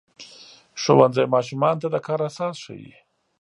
ښوونځی ماشومانو ته د کار اساس ښيي.